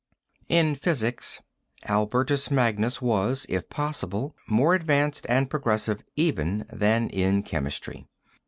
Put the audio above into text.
In physics Albertus Magnus was, if possible, more advanced and progressive even than in chemistry.